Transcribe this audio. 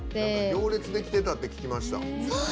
行列できてたってききました。